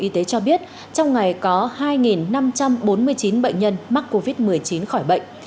y tế cho biết trong ngày có hai năm trăm bốn mươi chín bệnh nhân mắc covid một mươi chín khỏi bệnh